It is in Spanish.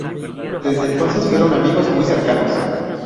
Desde entonces fueron amigos muy cercanos.